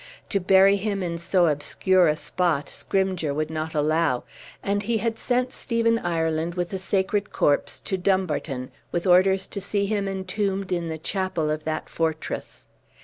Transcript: To bury him in so obscure a spot, Scrymgeour would not allow, and he had sent Stephen Ireland with the sacred corpse to Dumbarton, with orders to see him entombed in the chapel of that fortress.